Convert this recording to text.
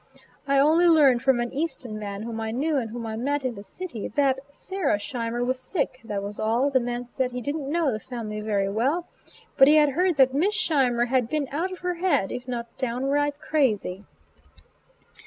I only learned from an Easton man whom I knew and whom I met in the city, that "Sarah Scheimer was sick" that was all; the man said he did'nt know the family very well, but he had heard that Miss Scheimer had been "out of her head, if not downright crazy."